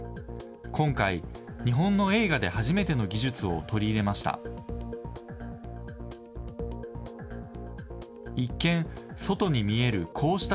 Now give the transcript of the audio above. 今回、日本の映画で初めての技術を取り入れました。